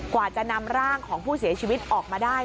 กว่าจะนำร่างของผู้เสียชีวิตออกมาได้